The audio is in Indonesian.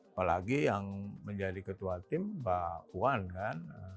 apalagi yang menjadi ketua tim mbak puan kan